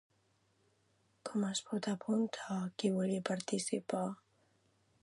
Com es pot apuntar qui vulgui participar?